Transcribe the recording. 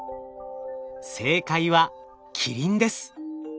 正解はキリンです。